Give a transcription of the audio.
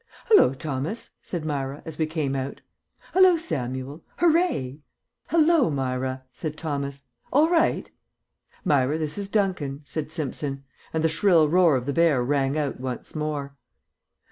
"Hallo, Thomas!" said Myra, as we came out. "Hallo, Samuel! Hooray!" "Hallo, Myra!" said Thomas. "All right?" "Myra, this is Duncan," said Simpson, and the shrill roar of the bear rang out once more.